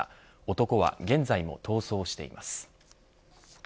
男は現在も逃走しています。